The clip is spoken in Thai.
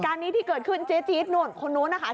การนี้ที่เกิดขึ้นเจ๊จี๊ดนู่นคนนู้นนะคะ